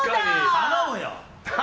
頼むよ！